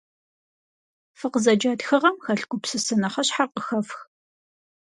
Фыкъызэджа тхыгъэм хэлъ гупсысэ нэхъыщхьэр къыхэфх.